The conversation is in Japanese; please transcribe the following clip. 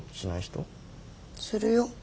するよ。